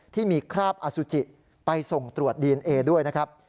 ที่มีคราบอสุจิไปส่งตรวจดีเอนเอด้วยนะครับ